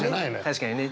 確かにね。